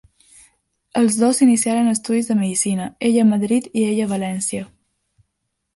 Els dos iniciaren estudis de medicina, ella a Madrid i ell a València.